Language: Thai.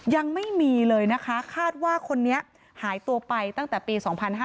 ยังไม่มีเลยนะคะคาดว่าคนนี้หายตัวไปตั้งแต่ปี๒๕๕๙